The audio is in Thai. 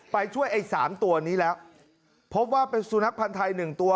ไปช่วยไอ้สามตัวนี้แล้วพบว่าเป็นสุนัขพันธ์ไทยหนึ่งตัว